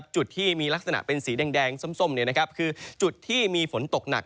จุดที่มีลักษณะเป็นสีแดงส้มคือจุดที่มีฝนตกหนัก